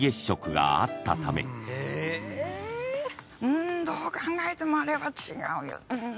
うんどう考えてもあれは違うようん。